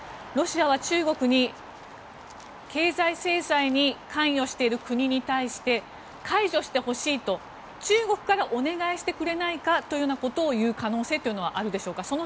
ロシアは中国に経済制裁に関与している国に対して解除してほしいと中国からお願いしてくれないかというようなことを言う可能性というのはあるでしょうか？